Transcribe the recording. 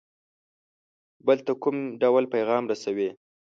بل ته کوم ډول پیغام رسوي.